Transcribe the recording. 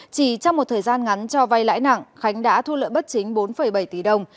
chỉ trong một thời gian ngắn cho vay lãi nặng khánh đã thu lợi bất chính bốn bảy tỷ đồng